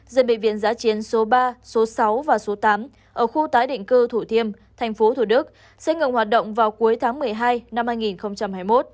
dân bệnh viện giã chiến số ba số sáu và số tám ở khu tái định cư thủ thiêm tp hcm sẽ ngừng hoạt động vào cuối tháng một mươi hai năm hai nghìn hai mươi một